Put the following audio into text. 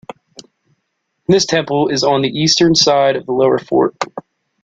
This temple is on the eastern side of the lower fort.